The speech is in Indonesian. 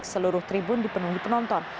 seluruh tribun dipenuhi penonton